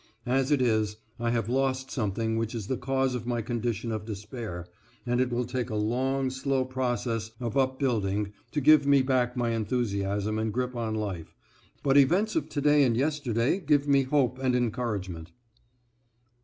As it is, I have lost something which is the cause of my condition of despair, and it will take a long, slow process of upbuilding to give me back my enthusiasm and grip on life, but events of to day and yesterday give me hope and encouragement.